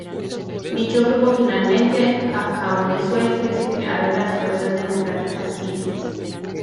Dicho grupo finalmente acabó disuelto y se crearon las Fuerzas Democráticas Sirias.